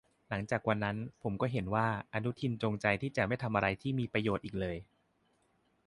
หลังจากวันนั้นผมก็เห็นว่าอนุทินจงใจที่จะไม่ทำอะไรที่มีประโยชน์อีกเลย